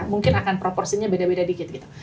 mungkin akan proporsinya beda beda dikit gitu